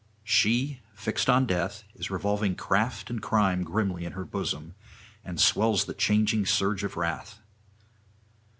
She, fixed on death, is revolving craft and crime grimly in her bosom, and swells the changing surge of wrath.